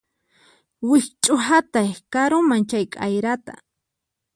Wikch'uhatay karuman chay k'ayrata